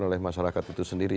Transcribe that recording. oleh masyarakat itu sendiri